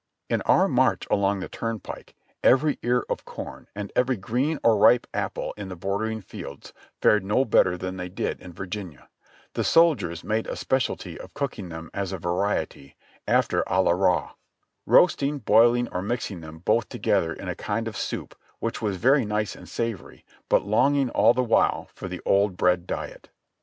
In our march along the turnpike every ear of corn and every THE CAMPAIGN OUTLINED 28 1 ^reen or ripe apple in the bordering fields fared no better than they did in Virginia ; the soldiers made a specialty of cooking them as a variety, after a la raw ; roasting, boiling or mixing them both together in a kind of soup, which was very nice and savory, but longing all the while for the old bread diet.